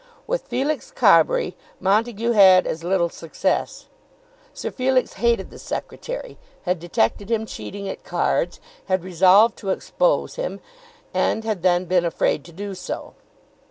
With Felix Carbury Montague had as little success. Sir Felix hated the secretary, had detected him cheating at cards, had resolved to expose him, and had then been afraid to do so.